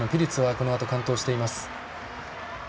このあと完登としています。